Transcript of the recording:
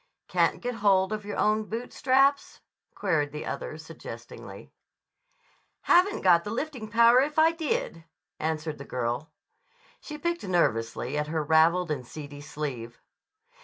"Can't get hold of your own boot straps?" queried the other suggestingly. "Haven't got the lifting power if I did," answered the girl. She picked nervously at her raveled and seedy sleeve.